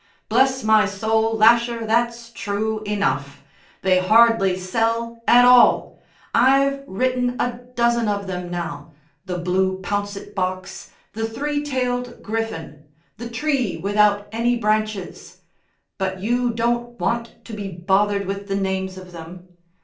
Bless my soul, Lasher, that's true enough. They hardly sell at all. I've written a dozen of them now, 'The Blue Pouncet Box,' 'The Three tailed Griffin,' 'The Tree without any Branches,' but you won't want to be bothered with the names of them.